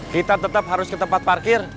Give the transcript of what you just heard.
kita tetap harus ke tempat parkir